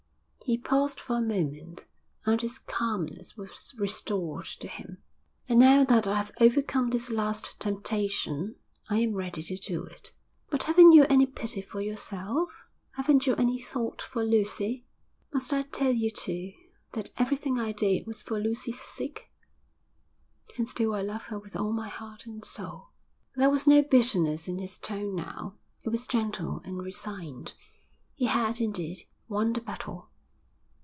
He paused for a moment, and his calmness was restored to him. 'And now that I've overcome this last temptation I am ready to do it.' 'But haven't you any pity for yourself? Haven't you any thought for Lucy?' 'Must I tell you, too, that everything I did was for Lucy's sake? And still I love her with all my heart and soul.' There was no bitterness in his tone now; it was gentle and resigned. He had, indeed, won the battle.